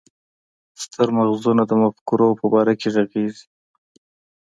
ستر مغزونه د مفکورو په باره کې ږغيږي.